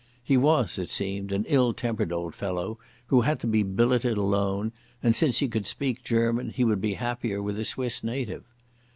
He was, it seemed, an ill tempered old fellow who had to be billeted alone, and since he could speak German, he would be happier with a Swiss native.